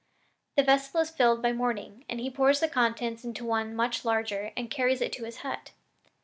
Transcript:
The vessel is filled by morning, and he pours the contents into one much larger and carries it to his hut.